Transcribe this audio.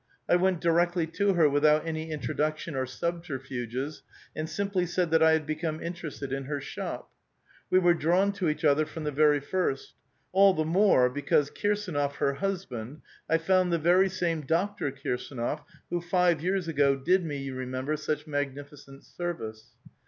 I went directl}' to her without any in troduction or subterfuges, and simply said that I had become interested in her shop. We were drawn to each other from the very first ; all the more, because Kirsdnof , her husband, I found the very same Doctor Kirsdnof who, five years ago, did me, you remember, such magnificent service.